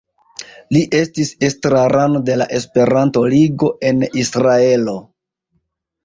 Li estis estrarano de la Esperanto-Ligo en Israelo.